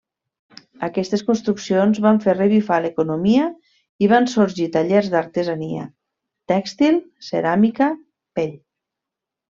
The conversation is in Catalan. Aquestes construccions van fer revifar l'economia i van sorgir tallers d'artesania: tèxtil, ceràmica, pell.